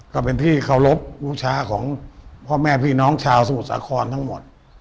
ก็เป็นที่เคารพลูกช้าของพ่อแม่พี่น้องชาวสมุทรสาครทั้งหมด